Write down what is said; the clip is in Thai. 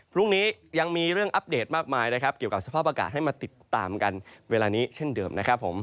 พรุ่งนี้ยังมีเรื่องอัปเดตมากมายนะครับเกี่ยวกับสภาพอากาศให้มาติดตามกันเวลานี้เช่นเดิมนะครับผม